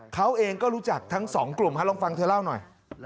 เขาเองก็รู้จักทั้งสองกลุ่มลองฟังเธอเล่าหน่อย